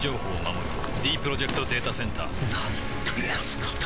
ディープロジェクト・データセンターなんてやつなんだ